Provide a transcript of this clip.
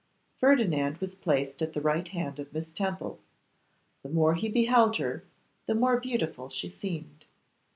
Ferdinand was placed at the right hand of Miss Temple. The more he beheld her the more beautiful she seemed.